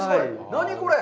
何これ。